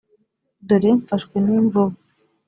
dore mfashwe n'imvubu!!”!